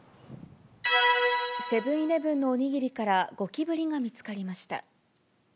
セブンーイレブンのお握りからゴキブリが見つかりました。